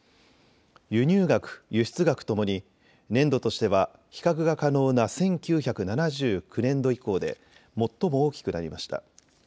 輸入額、輸出額ともに年度としては比較が可能な１９７９年度以降で最も大きくなりました。